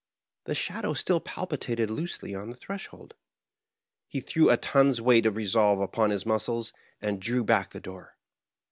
The shadow still palpitated loosely on the threshold. He threw a ton's weight of resolve upon his muscles, and drew back the door.